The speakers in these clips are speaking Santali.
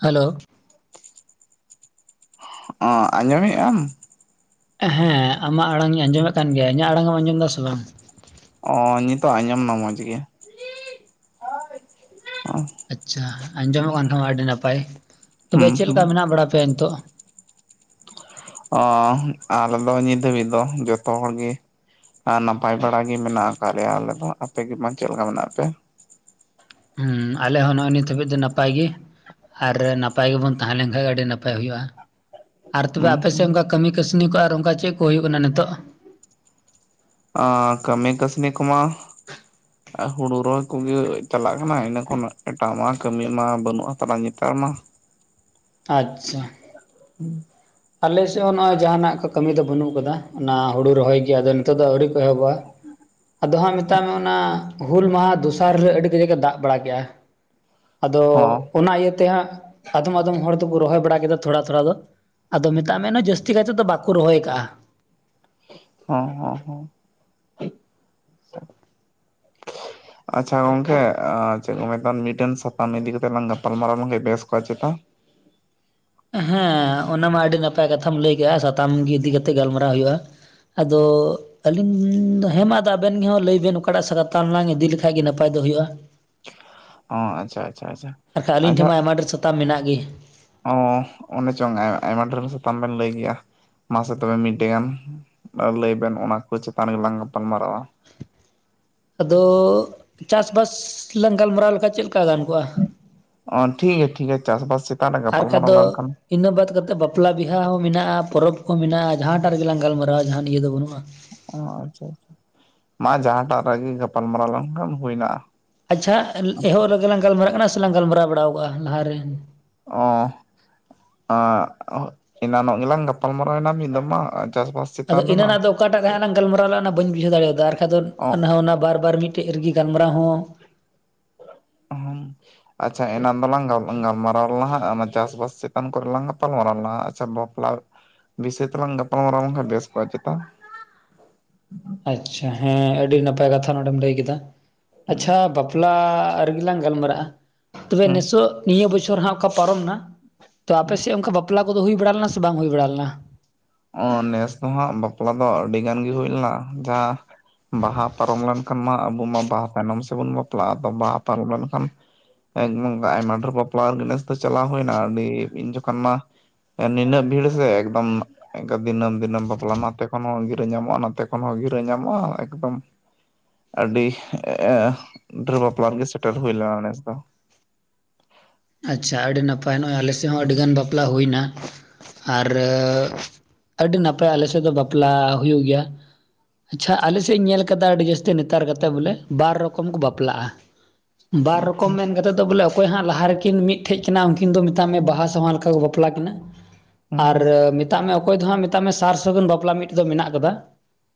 ᱦᱮᱞᱳ ᱚ ᱟᱸᱡᱚᱢᱮᱜ ᱟᱢ ᱦᱮᱸ ᱟᱢᱟᱜ ᱟᱲᱟᱝ ᱤᱧ ᱟᱸᱡᱚᱢᱮᱫ ᱠᱟᱱ ᱜᱮᱭᱟ ᱤᱧᱟᱹᱜ ᱟᱲᱟᱝ ᱮᱢ ᱟᱸᱡᱚᱢ ᱮᱫᱟ ᱥᱮ ᱵᱟᱝ? ᱚ ᱱᱤᱛᱳᱜ ᱟᱸᱡᱚᱢ ᱢᱟ ᱢᱚᱡᱽ ᱜᱮ [unintelligible] ᱟᱪᱷᱟ ᱟᱸᱡᱚᱢᱚᱜ ᱠᱟᱱ ᱠᱷᱟᱱ ᱢᱟ ᱟᱹᱰᱤ ᱱᱟᱯᱟᱭ ᱛᱚᱵᱮ ᱦᱩᱸ ᱪᱮᱫ ᱦᱩᱸ ᱞᱮᱠᱟ ᱢᱮᱱᱟᱜ ᱵᱟᱲᱟ ᱯᱮᱭᱟ ᱱᱤᱛᱚᱜ? ᱚ ᱟᱞᱮᱫᱚ [unintelligible] ᱫᱚ ᱡᱚᱛᱚ ᱦᱚᱲ ᱜᱮ ᱟᱨ ᱱᱟᱯᱟᱭ ᱵᱟᱲᱟ ᱜᱮ ᱢᱮᱱᱟᱜ ᱟᱠᱟᱫ ᱞᱮᱭᱟ ᱟᱞᱮ ᱫᱚ ᱟᱯᱮ ᱜᱮ ᱢᱟ ᱪᱮᱫ ᱞᱮᱠᱟ ᱢᱮᱱᱟᱜ ᱯᱮᱭᱟ? ᱦᱩᱸ ᱟᱸᱞᱮ ᱦᱚᱸ ᱱᱚᱜᱼᱚᱭ ᱱᱤᱛ ᱦᱟᱹᱵᱤᱡᱽ ᱫᱚ ᱱᱟᱯᱟᱭ ᱜᱮ᱾ ᱟᱨ ᱱᱟᱯᱟᱭ ᱜᱮ ᱵᱚᱱ ᱛᱟᱦᱮᱸ ᱞᱮᱱ ᱠᱷᱟᱱ ᱟᱹᱰᱤ ᱱᱟᱯᱟᱭ ᱦᱩᱭᱩᱜᱼᱟ᱾ ᱟᱨ ᱛᱚᱵᱮ ᱦᱩᱸ ᱟᱯᱮ ᱦᱩᱸ ᱥᱮᱫ ᱚᱱᱠᱟ ᱠᱟᱹᱢᱤ ᱠᱟᱹᱥᱱᱤ ᱠᱚ ᱟᱨ ᱚᱱᱠᱟ ᱪᱮᱫ ᱠᱚ ᱦᱩᱭᱩᱜ ᱠᱟᱱᱟ ᱱᱤᱛᱚᱜ ᱚ ᱠᱟᱹᱢᱤ ᱠᱟᱹᱥᱱᱤ ᱠᱚᱢᱟ [inaudible] ᱦᱩᱲᱩ ᱨᱚᱦᱚᱭ ᱠᱚᱸᱜᱮ ᱪᱟᱞᱟᱜ ᱠᱟᱱᱟ ᱤᱱᱟᱹ ᱠᱷᱚᱱᱟᱜ ᱮᱴᱟᱜ ᱢᱟ ᱠᱟᱹᱢᱤ ᱢᱟ ᱵᱟᱹᱱᱩᱜ ᱦᱟᱛᱟᱲᱟ ᱱᱮᱛᱟᱨ ᱢᱟ ᱟᱪᱷᱟ ᱦᱩᱸ ᱟᱸᱞᱮ ᱥᱮᱫᱽ ᱦᱚᱸ ᱱᱚᱜᱼᱚᱭ ᱡᱟᱦᱟᱸᱱᱟᱜ ᱠᱚ ᱠᱟᱹᱢᱤ ᱫᱚ ᱵᱟᱹᱱᱩᱜ ᱠᱟᱫᱟ ᱚᱱᱟ ᱦᱩᱲᱩ ᱨᱚᱦᱚᱭ ᱜᱮ ᱟᱫᱚ ᱱᱤᱛᱚᱜ ᱫᱚ ᱟᱹᱣᱨᱤ ᱠᱚ ᱮᱦᱚᱵᱚᱜᱼᱟ᱾ ᱟᱫᱚ ᱦᱟᱸᱜ ᱢᱮᱛᱟᱜ ᱢᱮ ᱚᱱᱟ ᱦᱩᱞ ᱢᱟᱦᱟᱸ ᱫᱚᱥᱟᱨ ᱦᱤᱞᱳᱜ ᱟᱹᱰᱤ ᱠᱟᱡᱟᱠᱮ ᱫᱟᱜᱽ ᱵᱟᱲᱟ ᱠᱮᱜᱼᱟ᱾ ᱟᱫᱚ ᱦᱚᱸ ᱚᱱᱟ ᱤᱭᱟᱹ ᱛᱮᱦᱟᱸᱜ ᱟᱸᱫᱚᱢ ᱟᱸᱫᱚᱢ ᱦᱚᱲ ᱫᱚᱠᱚ ᱨᱚᱦᱚᱭ ᱵᱟᱲᱟ ᱠᱮᱫᱟ ᱛᱷᱚᱲᱟ ᱛᱷᱚᱲᱟ ᱫᱚ᱾ ᱟᱫᱚ ᱢᱮᱛᱟᱜ ᱢᱮ ᱡᱟᱹᱥᱛᱤ ᱠᱟᱭᱛᱮ ᱫᱚ ᱵᱟᱠᱚ ᱨᱚᱦᱚᱭ ᱠᱟᱜᱼᱟ᱾ ᱦᱚᱸ ᱦᱚᱸ ᱦᱚᱸ [inaudible] ᱟᱪᱪᱷᱟ ᱜᱚᱝᱠᱮ ᱪᱮᱫ ᱠᱚ ᱢᱮᱛᱟᱜ ᱢᱤᱫᱴᱮᱱ ᱥᱟᱛᱟᱢ ᱤᱫᱤᱸ ᱠᱟᱛᱮ ᱞᱟᱝ ᱜᱟᱯᱟᱞ ᱢᱟᱨᱟᱣ ᱞᱮᱱᱠᱷᱟᱱ ᱵᱮᱥ ᱠᱚᱜ ᱪᱮᱛᱟ ᱦᱮᱸ ᱚᱱᱟ ᱢᱟ ᱟᱹᱰᱤ ᱱᱟᱯᱟᱭ ᱠᱟᱛᱷᱟᱢ ᱞᱟᱹᱭ ᱠᱮᱫᱮᱜᱼᱟ ᱥᱟᱛᱟᱢ ᱜᱮ ᱤᱫᱤ ᱠᱟᱛᱮ ᱜᱟᱞᱢᱟᱨᱟ ᱦᱩᱭᱩᱜᱼᱟ᱾ ᱟᱫᱚ ᱟᱹᱞᱤᱧ ᱦᱮᱸ ᱢᱟ ᱟᱸᱵᱮᱱ ᱜᱮ ᱞᱟᱹᱭᱵᱮᱱ ᱚᱠᱟᱴᱟᱜ ᱥᱟ ᱛᱟᱢ ᱞᱟᱝ ᱤᱫᱤ ᱞᱮᱠᱷᱟᱡ ᱜᱮ ᱱᱟᱯᱟᱭ ᱫᱚ ᱦᱩᱭᱩᱜᱼᱟ᱾ ᱚ ᱟᱪᱷᱟ ᱟᱪᱷᱟ ᱟᱪᱷᱟ ᱟᱫᱚ ᱦᱟᱛᱟᱢ ᱢᱮᱱᱟᱜ ᱜᱮᱸ ᱚ ᱚᱱᱮ ᱪᱚᱝ ᱟᱭᱢᱟ ᱰᱷᱮᱨ ᱥᱟᱛᱟᱢ ᱵᱮᱱ ᱞᱟᱹᱭ ᱠᱮᱜᱼᱟ᱾ ᱢᱟᱥᱮ ᱛᱚᱵᱮ ᱢᱤᱫᱴᱮ ᱜᱟᱱ ᱞᱟᱹᱭ ᱵᱮᱱ ᱚᱱᱟ ᱠᱚ ᱪᱮᱛᱟᱱ ᱨᱮᱜᱮᱞᱟᱝ ᱜᱟᱯᱟᱞ ᱢᱟᱨᱟᱣᱼᱟ᱾ ᱟᱫᱚ ᱪᱟᱥᱼᱵᱟᱥ ᱞᱟᱝ ᱜᱟᱞᱢᱟᱨᱟᱣ ᱞᱮᱠᱷᱟᱱ ᱪᱮᱫ ᱞᱮᱠᱟ ᱜᱟᱱ ᱠᱚᱜᱼᱟ᱾ ᱚ ᱴᱷᱤᱜᱮ ᱴᱷᱤᱜᱮ ᱪᱟᱥ ᱵᱟᱥ ᱟᱨ ᱟᱠᱟᱡ ᱫᱚ ᱤᱱᱟᱹ ᱵᱟᱛ ᱠᱟᱛᱮᱫ ᱵᱟᱯᱞᱟ ᱵᱤᱦᱟ ᱦᱚᱸ ᱢᱮᱱᱟᱜᱼᱟ ᱯᱚᱨᱚᱵᱽ ᱠᱚ ᱢᱮᱱᱟᱜᱼᱟ ᱡᱟᱦᱟᱸᱴᱟᱜ ᱨᱮᱜᱮ ᱞᱟᱝ ᱜᱟᱞᱢᱟᱨᱟᱼᱟ ᱡᱟᱦᱟᱸ ᱱᱤᱭᱟᱹ ᱫᱚ ᱵᱟᱹᱱᱩᱜᱼᱟ᱾ ᱚ ᱟᱪᱷᱟ ᱟᱪᱷᱟ ᱢᱟ ᱡᱟᱦᱟᱸᱴᱟᱜ ᱨᱟᱜᱮ ᱜᱟᱯᱟᱞ ᱢᱟᱨᱟᱣ ᱞᱮᱱᱠᱷᱟᱱ ᱦᱩᱭ ᱮᱱᱟ᱾ ᱟᱪᱷᱟ ᱮᱦᱚᱵᱽ ᱨᱮᱸᱜᱮ ᱞᱟᱝ ᱜᱟᱞᱢᱟᱨᱟᱜ ᱠᱟᱱᱟ ᱥᱮᱞᱟᱝ ᱜᱟᱞᱢᱟᱨᱟᱣ ᱵᱟᱲᱟᱣ ᱠᱟᱜᱼᱟ ᱞᱟᱦᱟ ᱨᱮ ᱚ ᱟ ᱮᱱᱟᱱᱚᱜ ᱜᱮᱸᱞᱟᱝ ᱜᱟᱯᱟᱞᱢᱟᱨᱟᱣ ᱮᱱᱟ ᱢᱤᱫ ᱫᱚᱢ ᱢᱟ ᱪᱟᱥ ᱵᱟᱥ ᱟᱫᱚ ᱤᱱᱟᱹ ᱱᱟᱜ ᱫᱚ ᱚᱠᱟᱴᱟᱜ ᱦᱟᱸᱜ ᱞᱟᱝ ᱜᱟᱞᱹᱢᱟᱨᱟᱣ ᱞᱮᱫᱼᱟ ᱚᱱᱟ ᱵᱟᱹᱧ ᱵᱩᱡᱷᱟᱹᱣ ᱫᱟᱲᱮᱭᱟᱫᱼᱟ, ᱟᱨ ᱵᱟᱝᱠᱷᱟᱱ ᱫᱚ ᱚ ᱚᱱᱟ ᱚᱱᱟ ᱵᱟᱨ ᱵᱟᱨ ᱢᱤᱫᱼᱼ ᱴᱮᱜ ᱨᱮᱜᱤ ᱜᱟᱞᱢᱟᱨᱟᱣ ᱦᱚᱸᱼᱼ ᱟᱪᱪᱷᱟ ᱮᱱᱟᱝ ᱫᱚᱞᱟᱝ ᱜᱟᱞ ᱜᱟᱞᱢᱟᱨᱟᱣ ᱞᱟᱦᱟᱜ ᱚᱱᱟ ᱪᱟᱥᱵᱟᱥ ᱪᱮᱛᱟᱱ ᱠᱚᱨᱮ ᱞᱟᱝ ᱜᱟᱯᱟᱞᱢᱟᱨᱟᱣ ᱞᱮᱱᱟ ᱟᱪᱪᱷᱟ ᱼᱼ ᱞᱟᱲ ᱵᱤᱥᱚᱭ ᱛᱮᱞᱟᱝ ᱜᱟᱯᱟᱞᱢᱟᱨᱟᱣ ᱞᱮᱱᱠᱷᱟᱱ ᱵᱮᱥ ᱠᱚᱜᱼᱟ ᱪᱮᱛᱟ ᱾ ᱟᱪᱪᱷᱟ ᱦᱮᱸ ᱟᱹᱰᱤ ᱱᱟᱯᱟᱭ ᱠᱟᱛᱷᱟ ᱱᱚᱰᱮᱢ ᱞᱟᱹᱭ ᱠᱮᱫᱟ, ᱟᱪᱪᱷᱟ ᱦᱩᱸ ᱵᱟᱯᱞᱟᱼᱼ ᱜᱮᱞᱟᱝ ᱜᱟᱞᱢᱟᱨᱟᱜᱼᱟ, ᱛᱚᱵᱮ ᱦᱩᱸ ᱦᱩᱸ ᱱᱮᱥᱚᱜ ᱱᱤᱭᱟᱹ ᱵᱚᱪᱷᱚᱨ ᱦᱟᱸᱜ ᱚᱠᱟ ᱯᱟᱨᱚᱢᱱᱟᱼᱼ ᱛᱚ ᱟᱯᱮᱥᱮᱫ ᱚᱱᱠᱟ ᱵᱟᱯᱞᱟ ᱠᱚᱫᱚ ᱦᱩᱭ ᱵᱟᱲᱟ ᱞᱮᱱᱟ ᱥᱮ ᱵᱟᱝ ᱦᱩᱭ ᱵᱟᱲᱟ ᱞᱮᱱᱟ? ᱚᱸ ᱱᱮᱥ ᱫᱚᱦᱟᱸᱜ ᱵᱟᱯᱞᱟ ᱫᱚ ᱟᱹᱰᱤ ᱜᱟᱱ ᱜᱮ ᱦᱩᱭ ᱞᱮᱱᱟ, ᱡᱟᱦᱟᱸᱼᱼ ᱵᱟᱦᱟ ᱯᱟᱨᱚᱢ ᱞᱮᱱᱠᱷᱟᱱ ᱢᱟ ᱟᱵᱚ ᱢᱟ ᱵᱟᱦᱟ ᱛᱟᱭᱱᱚᱢ ᱥᱮᱫᱵᱚᱱ ᱵᱟᱯᱞᱟᱜᱼᱟ, ᱟᱫᱚ ᱵᱟᱦᱟ ᱯᱟᱨᱚᱢ ᱞᱮᱱᱠᱷᱟᱱᱼᱼ ᱮᱠ ᱟᱭᱢᱟ ᱰᱷᱮᱨ ᱯᱚᱯᱞᱟ ᱨᱮ ᱱᱮᱥ ᱫᱚ ᱪᱟᱞᱟᱣ ᱦᱩᱭᱱᱟ ᱟᱹᱰᱤ, ᱤᱧ ᱡᱚᱠᱷᱚᱱ ᱢᱟᱼᱼ ᱮ ᱱᱤᱱᱟᱹᱜ ᱵᱷᱤᱲ ᱥᱮ ᱮᱠᱫᱚᱢᱼᱼ ᱮᱱᱠᱟ ᱫᱤᱱᱟᱹᱢ ᱫᱤᱱᱟᱹᱢ ᱵᱟᱯᱞᱟ, ᱱᱟᱛᱮ ᱠᱷᱚᱱ ᱦᱚᱸ ᱜᱤᱨᱟᱹ ᱧᱟᱢᱚᱜᱼᱟ, ᱱᱟᱛᱮ ᱠᱷᱚᱱ ᱦᱚᱸ ᱜᱤᱨᱟᱹ ᱧᱟᱢᱚᱜᱼᱟ ᱮᱠᱫᱚᱢᱼᱼ ᱟᱹᱰᱤ ᱮᱮ [inaudible] ᱰᱷᱮᱨ ᱵᱟᱯᱞᱟ ᱨᱮᱜᱮ ᱥᱮᱴᱮᱨ ᱦᱩᱭ ᱞᱮᱱᱟ ᱱᱮᱥ ᱫᱚ ᱾ ᱟᱪᱪᱷᱟ ᱟᱹᱰᱤ ᱱᱟᱯᱟᱭ, ᱱᱚᱜᱼᱚᱭ ᱟᱞᱮ ᱥᱮᱫ ᱦᱚᱸ ᱦᱩᱸ ᱟᱹᱰᱤᱜᱟᱱ ᱵᱟᱯᱞᱟ ᱦᱩᱭᱱᱟ ᱾ ᱟᱨᱻ ᱟᱹᱰᱤ ᱱᱟᱯᱟᱭ ᱟᱞᱮ ᱥᱮᱫ ᱫᱚ ᱵᱟᱯᱞᱟ ᱦᱩᱭᱩᱜ ᱜᱮᱭᱟ ᱾ ᱟᱪᱪᱷᱟ ᱟᱞᱮ ᱥᱮᱫ ᱤᱧ ᱧᱮᱞ ᱟᱠᱟᱫᱟ ᱟᱹᱰᱤ ᱡᱟᱹᱥᱛᱤ ᱱᱮᱛᱟᱨ ᱜᱟᱛᱮ ᱵᱚᱞᱮ ᱵᱟᱨ ᱨᱚᱠᱚᱢ ᱠᱚ ᱵᱟᱯᱞᱟᱜᱼᱟ ᱾ ᱵᱟᱨ ᱨᱚᱠᱚᱢ ᱢᱮᱱ ᱠᱟᱛᱮᱫ ᱫᱚ ᱵᱚᱞᱮ ᱚᱠᱚᱭ ᱦᱟᱸᱜ ᱞᱟᱦᱟ ᱨᱮᱼᱼ ᱩᱱᱠᱤᱱ ᱢᱤᱫᱴᱷᱮᱡ ᱠᱤᱱᱟ ᱩᱱᱠᱤᱱ ᱫᱚ ᱢᱮᱛᱟᱜ ᱢᱮ ᱵᱟᱦᱟ ᱥᱟᱢᱟᱞ ᱞᱮᱠᱟ ᱠᱚ ᱵᱟᱯᱞᱟ ᱠᱤᱱᱟ, ᱦᱩᱸ ᱟᱨ ᱢᱤᱫᱼᱼ ᱢᱮᱛᱟᱜ ᱢᱮ ᱚᱠᱚᱭ ᱫᱚ ᱦᱟᱸᱜ ᱢᱮᱛᱟᱜ ᱢᱮ ᱥᱟᱨ ᱥᱟᱹᱜᱩᱱ ᱵᱟᱯᱞᱟ ᱢᱤᱫ ᱫᱚ ᱢᱮᱱᱟᱜ ᱠᱟᱫᱟ,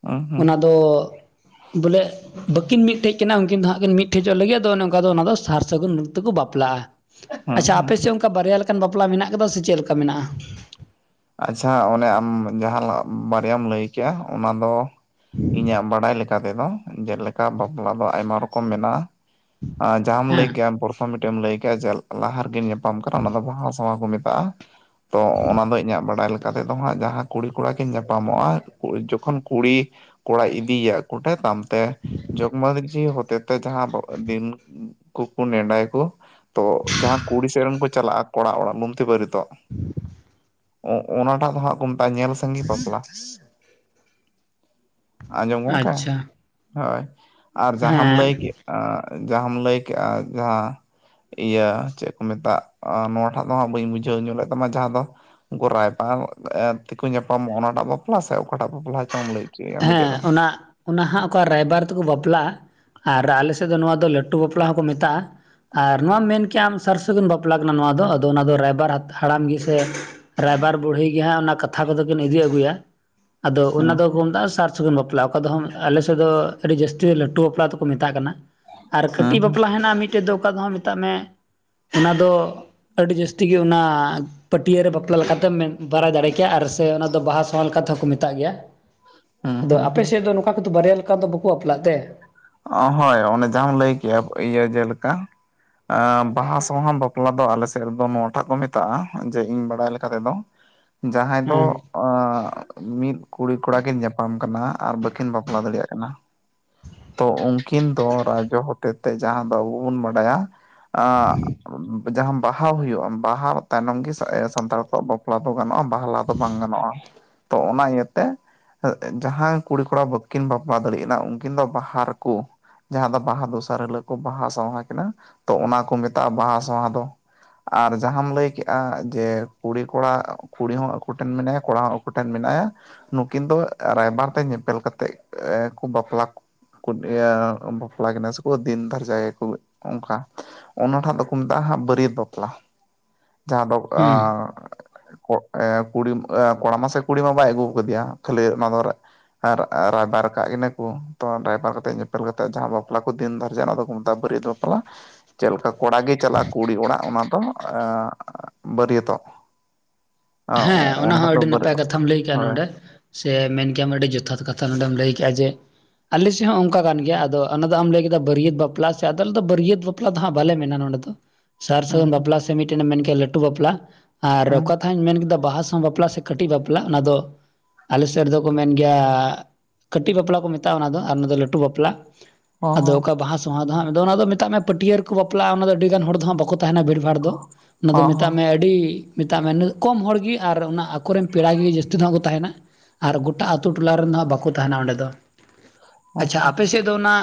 ᱦᱩᱸ ᱦᱩᱸ ᱚᱱᱟ ᱫᱚᱼᱼ ᱵᱚᱞᱮ, ᱵᱟᱹᱠᱤᱱ ᱢᱤᱫᱴᱷᱮᱡ ᱠᱟᱱᱟ ᱩᱱᱠᱤᱱ ᱫᱚ ᱦᱟᱸᱜ ᱠᱤᱱ ᱢᱤᱫᱴᱷᱮᱡᱚᱜ ᱞᱟᱹᱜᱤᱫ ᱟᱫᱚ ᱚᱱᱮ ᱚᱱᱠᱟ ᱫᱚ ᱚᱱᱟ ᱫᱚ ᱥᱟᱨ ᱥᱟᱹᱜᱩᱱ ᱚᱠᱛᱚ ᱠᱚ ᱵᱟᱯᱞᱟᱜᱼᱟ ᱾ ᱦᱩᱸ ᱟᱪᱪᱷᱟ ᱦᱩᱸ ᱟᱯᱮ ᱥᱮᱫ ᱚᱱᱠᱟ ᱵᱟᱨᱭᱟ ᱞᱮᱠᱟᱱ ᱵᱟᱯᱞᱟ ᱢᱮᱱᱟᱜ ᱠᱟᱫᱟ ᱥᱮ ᱪᱮᱫ ᱞᱮᱠᱟ ᱢᱮᱱᱟᱜᱼᱟ? ᱟᱪᱪᱷᱟ ᱚᱱᱮ ᱟᱢ ᱡᱟᱦᱟᱸ ᱵᱟᱨᱭᱟᱢ ᱞᱟᱹᱭ ᱠᱮᱜᱼᱟ ᱚᱱᱟ ᱫᱚ, ᱤᱧᱟᱹᱜ ᱵᱟᱰᱟᱭ ᱞᱟᱠᱼᱼ ᱚᱱᱠᱟ ᱛᱮᱫᱚ ᱡᱮᱞᱮᱠᱟ ᱵᱟᱯᱞᱟ ᱫᱚ ᱟᱭᱢᱟ ᱨᱚᱠᱚᱢ ᱢᱮᱱᱟᱜᱼᱟ, ᱟ ᱡᱟᱦᱟᱸᱢ ᱦᱮᱸ ᱞᱟᱹᱭ ᱠᱮᱜᱼᱟ ᱵᱚᱨᱚᱥᱼᱼ ᱦᱚ ᱢᱤᱫᱴᱮᱡ ᱮᱢ ᱞᱟᱹᱭ ᱠᱮᱜᱼᱟ, ᱡᱮ ᱞᱟᱦᱟ ᱨᱮᱠᱤᱱ ᱧᱟᱯᱟᱢ ᱠᱟᱱᱟ ᱚᱱᱟ ᱫᱚ ᱵᱟᱦᱟ ᱥᱟᱶᱦᱟ ᱠᱚ ᱢᱮᱛᱟᱜᱼᱟ ᱾ ᱛᱚ ᱚᱱᱟ ᱫᱚ ᱤᱧᱟᱜ ᱵᱟᱰᱟᱭ ᱞᱮᱠᱟ ᱛᱮᱫᱚ ᱦᱟᱸᱜ ᱡᱟᱦᱟᱸ ᱠᱩᱲᱤ ᱠᱚᱲᱟ ᱠᱤᱱ ᱧᱟᱯᱟᱢᱚᱜᱼᱟ, ᱡᱚᱠᱷᱚᱱ ᱠᱩᱲᱤᱼᱼ ᱠᱚᱲᱟᱭ ᱤᱫᱤᱭᱮᱭᱟ ᱠᱩᱴᱟ ᱛᱟᱢ ᱛᱮ, ᱡᱚᱜᱽ ᱢᱟᱺᱡᱷᱤ ᱦᱚᱛᱮᱼᱼ ᱡᱟᱦᱟᱸ ᱠᱚ ᱫᱤᱱ ᱠᱚ ᱠᱩ ᱱᱮᱰᱟᱭᱟᱠᱚᱼᱼ ᱛᱚ ᱡᱟᱦᱟᱸ ᱠᱩᱲᱤ ᱥᱮᱫ ᱨᱤᱱ ᱠᱚ ᱪᱟᱞᱟᱜᱼᱟ ᱠᱚᱲᱟ ᱚᱲᱟᱜ ᱞᱩᱢᱛᱤ ᱵᱟᱨᱮᱛᱚᱜ ᱾ ᱚ ᱚᱱᱟᱴᱟᱜ ᱫᱚ ᱦᱟᱸᱜ ᱠᱚ ᱢᱮᱛᱟᱜᱼᱟ ᱧᱮᱞ ᱥᱟᱸᱜᱤ ᱵᱟᱯᱞᱟ ᱾ ᱟᱸᱡᱚᱢᱚᱜ ᱠᱷᱟᱭ ᱟᱪᱪᱷᱟ ᱦᱳᱭ, ᱟᱨ ᱡᱟᱦᱟᱸᱢ ᱞᱟᱹᱭ ᱦᱮᱸ ᱠᱮᱜ-ᱟᱼᱼ ᱡᱟᱦᱟᱸᱢ ᱞᱟᱹᱭ ᱠᱮᱜᱼᱟ, ᱡᱟᱦᱟᱸᱼᱼ ᱤᱭᱟᱹ ᱪᱮᱫ ᱠᱚ ᱢᱮᱛᱟᱜ-ᱟ, ᱱᱚᱣᱟᱴᱟᱜ ᱫᱚᱦᱟᱸᱜ ᱵᱟᱹᱧ ᱵᱩᱡᱷᱟᱹᱣ ᱧᱚᱜ ᱞᱮᱫ ᱛᱟᱢᱟ ᱡᱟᱦᱟᱸ ᱫᱚᱼᱼ ᱨᱟᱭᱵᱟᱨ ᱮᱜ ᱛᱮᱠᱚ ᱧᱟᱯᱟᱢᱚᱜᱼᱟ ᱚᱱᱟᱴᱟᱜ ᱵᱟᱯᱞᱟ ᱥᱮ ᱚᱠᱟᱴᱟᱜ ᱵᱟᱯᱞᱟ ᱪᱚᱢ ᱞᱟᱹᱭᱼᱼ [unintelligible] ᱦᱮᱸ ᱚᱱᱟ, ᱚᱱᱟ, ᱦᱟᱸᱜ ᱚᱠᱟ ᱨᱟᱭᱵᱟᱨ ᱛᱮᱠᱚ ᱵᱟᱯᱞᱟᱜᱼᱟ ᱾ ᱟᱨ ᱟᱞᱮ ᱥᱮᱫ ᱫᱚ ᱱᱚᱣᱟ ᱫᱚ ᱞᱟᱹᱴᱩ ᱵᱟᱯᱞᱟ ᱦᱚᱸᱠᱚ ᱢᱮᱛᱟᱜᱼᱟ ᱾ ᱟᱨ ᱱᱚᱣᱟᱢ ᱢᱮᱱ ᱠᱮᱼᱟ ᱟᱢ ᱥᱟᱨ ᱥᱟᱹᱜᱩᱱ ᱵᱟᱯᱞᱟ ᱠᱟᱱᱟ ᱱᱚᱣᱟ ᱫᱚ ᱟᱫᱚ ᱚᱱᱟ ᱫᱚ ᱨᱟᱭᱵᱟᱨ ᱦᱟᱲᱟᱢ ᱜᱮᱥᱮᱼᱼ ᱨᱟᱭᱵᱟᱨ ᱵᱩᱲᱦᱤ ᱜᱮ ᱦᱟᱸᱜ ᱚᱱᱟ ᱠᱟᱛᱷᱟ ᱠᱚᱫᱚ ᱠᱤᱱ ᱤᱫᱤ ᱟᱹᱜᱩᱭᱟ, ᱟᱫᱚ ᱦᱮᱸ ᱚᱱᱟ ᱫᱚᱼᱼ ᱥᱟᱨ ᱥᱟᱹᱜᱩᱱ ᱵᱟᱯᱞᱟ ᱚᱠᱟ ᱫᱚ ᱟᱞᱮᱥᱮᱫ ᱫᱚ ᱟᱹᱰᱤ ᱡᱟᱹᱥᱛᱤ ᱞᱟᱹᱴᱩ ᱵᱟᱯᱞᱟ ᱫᱚᱠᱚ ᱢᱮᱛᱟᱜ ᱠᱟᱱᱟ ᱾ ᱟᱨ ᱠᱟᱹᱴᱤᱡ ᱦᱮᱸ ᱵᱟᱯᱞᱟ ᱦᱮᱱᱟᱜᱼᱟ ᱢᱤᱫᱴᱮᱡ ᱫᱚ ᱚᱠᱟ ᱫᱚᱦᱟᱜᱸ ᱢᱮᱛᱟᱜ ᱢᱮ, ᱚᱱᱟ ᱫᱚᱼᱼ ᱟᱹᱰᱤ ᱡᱟᱹᱥᱛᱤ ᱜᱮ ᱚᱱᱟᱼᱼ ᱯᱟᱹᱴᱭᱟᱹ ᱨᱮ ᱵᱟᱯᱞᱟ ᱞᱮᱠᱟᱛᱮᱢ ᱵᱟᱲᱟᱭ ᱫᱟᱲᱮ ᱠᱮᱭᱟ ᱥᱮ ᱟᱨ ᱚᱱᱟ ᱫᱚ ᱵᱟᱦᱟ ᱥᱟᱶᱦᱟ ᱞᱮᱠᱟ ᱛᱮ ᱦᱚᱸ ᱠᱚ ᱢᱮᱛᱟᱜ ᱜᱮᱭᱟ ᱾ ᱦᱮᱸ ᱟᱫᱚ ᱦᱮᱸ ᱟᱯᱮ ᱦᱮᱸ ᱥᱮᱫ ᱫᱚ ᱱᱚᱝᱠᱟ ᱠᱚᱫᱚ ᱵᱟᱨᱭᱟ ᱞᱮᱠᱟ ᱫᱚ ᱵᱟᱠᱚ ᱵᱟᱯᱞᱟᱜ ᱛᱮ? ᱚ ᱦᱟᱭ ᱚᱱᱮ ᱡᱟᱦᱟᱸᱢ ᱞᱟᱹᱭ ᱠᱮᱭᱟ ᱤᱭᱟᱹ ᱡᱮᱞᱮᱠᱟᱼᱼ ᱟᱸ ᱵᱟᱦᱟ ᱥᱟᱦᱟᱱ ᱵᱟᱯᱞᱟ ᱫᱚ ᱟᱞᱮ ᱥᱮᱫ ᱨᱮᱫᱚ ᱱᱚᱶᱟᱴᱟᱜ ᱠᱚ ᱢᱮᱛᱟᱜᱼᱟ ᱡᱮ ᱤᱧ ᱵᱟᱲᱟᱭ ᱞᱮᱠᱟ ᱛᱮᱫᱚᱼᱼ ᱡᱟᱦᱟᱸᱭ ᱫᱚ ᱦᱮᱸ ᱟᱸᱜ ᱢᱤᱫ ᱠᱩᱲᱤ ᱠᱚᱲᱟ ᱠᱤᱱ ᱧᱟᱯᱟᱢ ᱠᱟᱱᱟ ᱟᱨ ᱵᱟᱹᱠᱤᱱ ᱵᱟᱯᱞᱟ ᱫᱟᱲᱮᱭᱟᱜ ᱠᱟᱱᱟ᱾ ᱛᱚ ᱩᱱᱠᱤᱱ ᱫᱚ ᱨᱟᱡᱚ ᱦᱚᱛᱮᱛᱮ ᱡᱟᱦᱟᱸ ᱫᱚ ᱟᱵᱚ ᱵᱚᱱ ᱵᱟᱰᱟᱭᱟ ᱟᱸᱜᱼᱼ ᱡᱟᱦᱟᱸ ᱵᱟᱦᱟ ᱦᱩᱭᱩᱜᱼᱟ ᱵᱟᱦᱟ ᱛᱟᱭᱱᱚᱢ ᱜᱮ ᱥᱟᱱᱛᱟᱲ ᱠᱚᱣᱟᱜ ᱵᱟᱼᱼ ᱵᱟᱯᱞᱟ ᱫᱚ ᱜᱟᱱᱚᱜᱼᱟ ᱵᱟᱦᱟ ᱞᱟᱦᱟ ᱫᱚ ᱵᱟᱝ ᱜᱟᱱᱚᱜᱼᱟ᱾ ᱛᱚ ᱚᱱᱟ ᱤᱭᱟᱹᱛᱮ ᱡᱟᱦᱟᱸᱭ ᱠᱩᱲᱤ ᱠᱚᱲᱟ ᱵᱟᱹᱠᱤᱱ ᱵᱟᱯᱞᱟ ᱫᱟᱲᱭᱟᱜ ᱠᱟᱱᱟ ᱩᱱᱠᱤᱱ ᱫᱚ ᱵᱟᱦᱟᱼᱼ ᱦᱟᱨ ᱠᱚᱼᱼ ᱡᱟᱦᱟᱸ ᱫᱚ ᱵᱟᱦᱟ ᱫᱚᱥᱟᱨ ᱦᱤᱞᱚᱜ ᱠᱚ ᱵᱟᱦᱟ ᱥᱟᱶᱦᱟ ᱠᱤᱱᱟ ᱛᱚ ᱚᱱᱟ ᱠᱚ ᱢᱮᱛᱟᱜᱼᱟ ᱵᱟᱦᱟ ᱥᱟᱶᱦᱟ ᱫᱚ᱾ ᱟᱨ ᱡᱟᱦᱟᱢ ᱞᱟᱹᱭ ᱠᱮᱜᱼᱟ ᱡᱮ ᱠᱩᱲᱤ ᱠᱚᱲᱟ ᱠᱩᱲᱤ ᱦᱚᱸ ᱟᱠᱚ ᱴᱷᱮᱱ ᱢᱮᱱᱟᱭᱟ ᱠᱚᱲᱟ ᱦᱚᱸ ᱟᱼᱼ ᱠᱚ ᱴᱷᱮᱱ ᱢᱮᱱᱟᱭᱟ ᱱᱩᱠᱤᱱ ᱫᱚ ᱨᱟᱭᱵᱟᱨ ᱛᱮ ᱧᱮᱯᱮᱞ ᱠᱟᱛᱮᱫ ᱠᱚ ᱵᱟᱯᱞᱟᱼᱼ [unintelligible] ᱤᱭᱟᱹ ᱵᱟᱯᱞᱟ ᱠᱤᱱᱟ ᱥᱮᱠᱚ ᱫᱤᱱ ᱫᱟᱨᱡᱟᱭᱟᱠᱚ ᱚᱱᱠᱟ᱾ ᱚᱱᱟᱴᱟᱜ ᱫᱚᱠᱚ ᱢᱮᱛᱟᱜᱼᱟ ᱦᱟᱸᱜ ᱵᱟᱹᱨᱭᱟᱹᱛ ᱵᱟᱯᱞᱟ᱾ [unintelligible] ᱡᱟᱦᱟᱸ ᱫᱚ ᱟᱻ ᱦᱩᱸ ᱠᱚᱜ ᱮ ᱠᱩᱲᱤᱢ ᱟ ᱠᱚᱲᱟ ᱢᱟᱥᱮ ᱠᱩᱲᱤ ᱢᱟ ᱵᱟᱭ ᱟᱹᱜᱩ ᱣᱟᱠᱟᱫᱮᱭᱟ ᱠᱷᱟᱹᱞᱤ ᱱᱚᱶᱟ ᱫᱚᱨᱼᱼ ᱟᱨ ᱨᱟᱭᱵᱟᱨ ᱟᱠᱟᱜ ᱠᱤᱱᱟᱹ ᱠᱚ᱾ ᱛᱚ ᱨᱟᱭᱵᱷᱟᱨ ᱠᱟᱛᱮ ᱧᱮᱯᱮᱞ ᱠᱟᱛᱮᱫ ᱡᱟᱦᱟᱸ ᱵᱟᱯᱞᱟ ᱠᱚ ᱫᱤᱱ ᱫᱟᱨᱡᱟᱱᱟ ᱚᱱᱟ ᱫᱚᱠᱚ ᱢᱮᱛᱟᱜᱼᱟ ᱵᱟᱹᱨᱭᱟᱹᱛ ᱵᱟᱯᱞᱟ᱾ ᱪᱮᱫ ᱞᱮᱠᱟ ᱠᱚᱲᱟ ᱜᱮ ᱪᱟᱞᱟᱜᱼᱟ ᱠᱩᱲᱤ ᱚᱲᱟᱜ ᱚᱱᱟ ᱫᱚ ᱮᱸ ᱵᱟᱹᱨᱭᱟᱹᱛᱚᱜ᱾ ᱟ ᱦᱮᱸ ᱚᱱᱟ ᱚᱱᱟᱴᱟᱜ ᱦᱚᱸ ᱫᱚ ᱟᱹᱰᱤ ᱵᱟᱨ ᱱᱟᱯᱟᱭ ᱠᱟᱛᱷᱟᱢ ᱞᱟᱹᱭ ᱠᱮᱜ-ᱟ ᱦᱳᱭ ᱱᱚᱸᱰᱮ᱾ ᱥᱮ ᱢᱮᱱ ᱠᱮᱭᱟᱢ ᱟᱹᱰᱤ ᱡᱚᱛᱷᱟᱛ ᱠᱟᱛᱷᱟ ᱱᱚᱸᱰᱮᱢ ᱞᱟᱹᱭ ᱠᱮᱜᱼᱟ ᱡᱮᱼᱼ ᱟᱞᱮᱥᱮᱫ ᱦᱚᱸ ᱚᱱᱠᱟ ᱠᱟᱱ ᱜᱮᱭᱟ ᱟᱫᱚ ᱚᱱᱟ ᱫᱚ ᱟᱢ ᱞᱟᱹᱭ ᱠᱮᱫᱟ ᱵᱟᱹᱨᱭᱟᱹᱛ ᱵᱟᱯᱞᱟ ᱥᱮ ᱟᱫᱚ ᱟᱞᱮᱫᱚ ᱵᱟᱹᱨᱭᱟᱹᱛ ᱵᱟᱯᱼᱼ ᱯᱟᱞᱟ ᱫᱚ ᱦᱟᱸᱜ ᱵᱟᱞᱮ ᱢᱮᱱᱟ ᱱᱚᱸᱰᱮ ᱫᱚ᱾ ᱥᱟᱨ ᱚ ᱥᱟᱹᱜᱩᱱ ᱵᱟᱯᱞᱟ ᱥᱮ ᱢᱤᱫᱴᱮᱱ ᱮᱢ ᱢᱮᱱ ᱠᱮᱜ ᱞᱟᱹᱴᱩ ᱵᱟᱯᱞᱟ ᱟᱨ ᱦᱚᱸ ᱚᱠᱟᱛᱷᱟᱧ ᱢᱮᱱ ᱠᱮᱫᱼᱼ ᱫᱟ ᱵᱟᱦᱟ ᱥᱟᱶ ᱵᱟᱯᱞᱟ ᱥᱮ ᱠᱟᱹᱴᱤᱡ ᱵᱟᱯᱞᱟ ᱚᱱᱟ ᱫᱚᱼᱼ ᱟᱞᱮ ᱥᱮᱫ ᱨᱮᱫᱚ ᱠᱚ ᱢᱮᱱ ᱜᱮᱭᱟ ᱠᱟᱹᱴᱤᱡ ᱵᱟᱯᱞᱟ ᱠᱚ ᱢᱮᱛᱟᱜᱼᱟ ᱚᱱᱟ ᱫᱚ ᱟᱨ ᱚᱱᱟ ᱫᱚ ᱞᱟᱹᱴᱩ ᱵᱟᱯᱞᱟ᱾ ᱟᱫᱚ ᱦᱚᱸ ᱚᱠᱟ ᱵᱟᱦᱟ ᱥᱟᱼᱼ ᱱᱚᱶᱟ ᱫᱚ ᱦᱟᱸᱜ ᱫᱚ ᱚᱱᱟ ᱫᱚ ᱢᱮᱛᱟᱜ ᱢᱮ ᱯᱟᱹᱴᱭᱟᱹ ᱨᱮᱠᱚ ᱵᱟᱯᱞᱟᱜᱼᱟ ᱚᱱᱟ ᱫᱚ ᱟᱹᱰᱤᱜᱟᱱ ᱦᱚᱲ ᱫᱚ ᱦᱟᱸᱜ ᱵᱟᱠᱚ ᱛᱟᱦᱮᱱᱟ ᱵᱷᱤᱲᱵᱷᱟᱲ ᱫᱚ᱾ ᱚᱱᱟ ᱫᱚ ᱦᱚᱸ ᱦᱚᱸ ᱢᱮᱛᱟᱜ ᱢᱮ ᱦᱚᱸ ᱟᱹᱰᱤ ᱢᱮᱛᱟᱜ ᱢᱮ [unintelligible] ᱠᱚᱢ ᱦᱚᱲᱜᱮ ᱟᱨ ᱚᱱᱟ ᱟᱠᱚᱨᱮᱱ ᱯᱮᱲᱟᱜᱮ ᱡᱟᱹᱥᱛᱤ ᱫᱚ ᱦᱟᱸᱜ ᱠᱚ ᱛᱟᱦᱮᱱᱟ᱾ ᱟᱨ ᱜᱚᱴᱟ ᱟᱛᱩ ᱴᱚᱞᱟ ᱨᱮᱱ ᱫᱚ ᱦᱟᱸᱜ ᱵᱟᱠᱚ ᱛᱟᱦᱮᱱᱟ ᱚᱸᱰᱮ ᱫᱚ ᱟᱪᱷᱟ ᱦᱚᱸ ᱟᱯᱮ ᱥᱮᱫ ᱫᱚ ᱚᱱᱟᱼᱼ